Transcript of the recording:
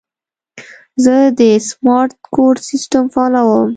زه د سمارټ کور سیسټم فعالوم.